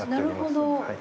なるほど。